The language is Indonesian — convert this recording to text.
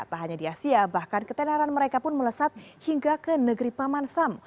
tak hanya di asia bahkan ketenaran mereka pun melesat hingga ke negeri paman sam